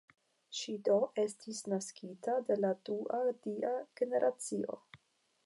Ŝi do estis naskita de la dua dia generacio.